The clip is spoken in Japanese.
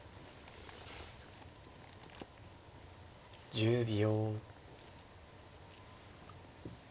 １０秒。